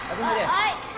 はい！